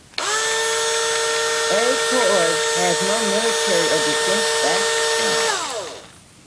Akar has no military or defense background.